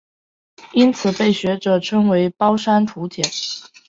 因此被学者称为包山楚简。